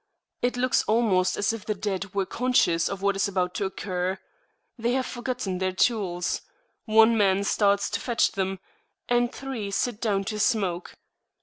It looks almost as if the dead were conscious of what is about to occur. They have forgotten their tools; one man starts to fetch them, and three sit down to smoke.